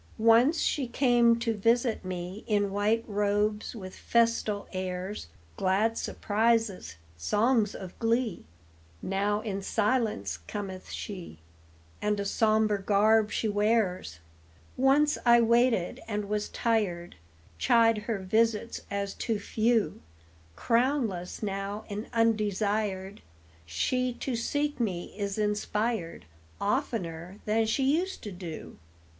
Once she came to visit me In white robes with festal airs, Glad surprises, songs of glee; Now in silence cometh she, And a sombre garb she wears. Once I waited and was tired, Chid her visits as too few; Crownless now and undesired, She to seek me is inspired Oftener than she used to do.